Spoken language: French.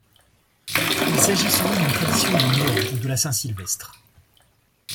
Il s'agit souvent d'une tradition de Noël ou de la Saint-Sylvestre.